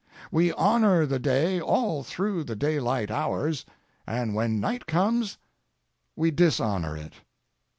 We honor the day all through the daylight hours, and when night comes we dishonor it.